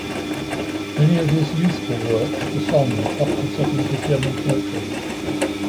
Many of his youthful works were songs, often settings of German poetry.